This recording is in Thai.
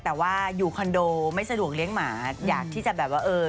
แต่ว่าอยู่คอนโดไม่สะดวกเลี้ยงหมาอยากที่จะแบบว่าเออ